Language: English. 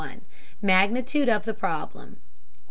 MAGNITUDE OF THE PROBLEM.